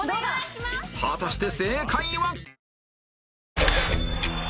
果たして正解は？